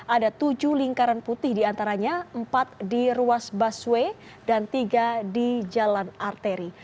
ada tujuh lingkaran putih diantaranya empat di ruas busway dan tiga di jalan arteri